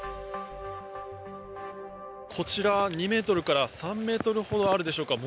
こちら、２ｍから３ｍほどあるでしょうか。